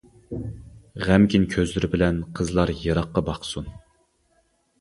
غەمكىن كۆزلىرى بىلەن قىزلار يىراققا باقسۇن.